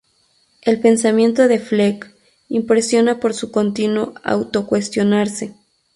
El pensamiento de Flew impresiona por su continuo auto-cuestionarse.